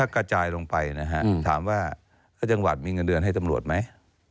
กระจายลงไปนะฮะถามว่าจังหวัดมีเงินเดือนให้ตำรวจไหม